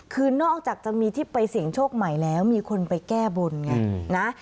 คือนอกจากจะมีที่ไปเสี่ยงโชคใหม่แล้วมีคนไปแก้บนไงนะ